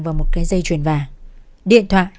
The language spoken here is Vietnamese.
và một cái dây chuyền vàng điện thoại